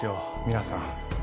皆さん。